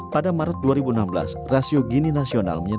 pada maret dua ribu enam belas rasio gini nasional